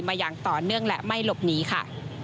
อย่างต่อเนื่องและไม่หลบหนีค่ะ